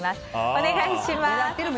お願いします。